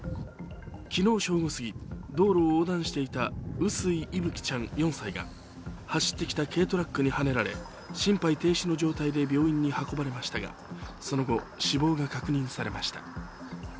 昨日正午過ぎ、道路を横断していた臼井聖稀ちゃん４歳が走ってきた軽トラックにはねられ心肺停止の状態で病院に運ばれましたがその後、死亡が確認されました。